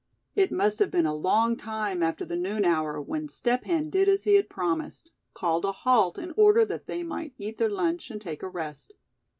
It must have been a long time after the noon hour when Step Hen did as he had promised, called a halt in order that they might eat their lunch, and take a rest.